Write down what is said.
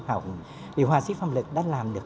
hòa sĩ phạm lực đã làm được